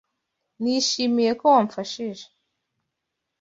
Nishimiye ko wamfashije.